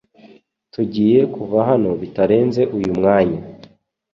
Tugiye kuva hano bitarenze uyu mwanya